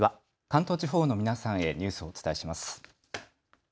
関東地方の皆さんへニュースをお伝えします。